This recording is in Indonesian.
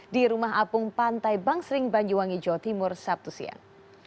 di rumah apung pantai bangsering banyuwangi jawa timur sabtu siang